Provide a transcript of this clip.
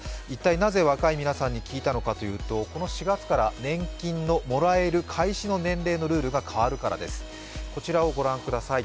一体なぜ若い皆さんに聞いたのかというとこの４月から年金のもらえる開始の年齢のルールが変わるからです。